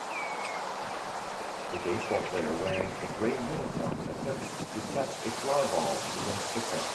A baseball player wearing a gray uniform attempts to catch a fly ball against the fence.